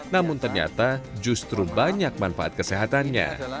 namun ternyata justru banyak manfaat kesehatannya